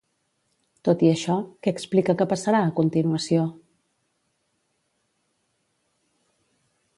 Tot i això, què explica que passarà a continuació?